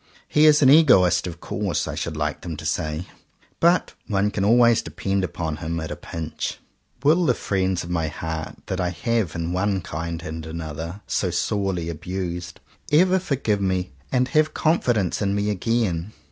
"He is an egoist, of course," I should like them to say, "but one can always depend upon him at a pinch." Will the friends of my heart, that I have, in one kind and another, so sorely abused, ever forgive me, and have confidence in me again?